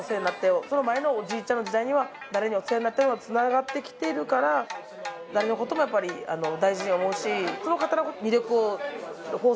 「その前のおじいちゃんの時代には誰にお世話になったよ」がつながってきてるから誰の事もやっぱり大事に思うし。